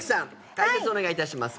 解説をお願いいたします。